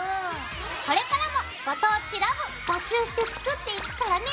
これからも「ご当地ＬＯＶＥ」募集して作っていくからね！